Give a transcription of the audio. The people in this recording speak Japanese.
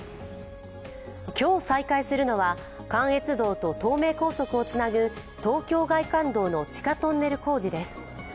今日、再開するのは関越道と東名高速をつなぐ東京外環道の地下トンネル工事です。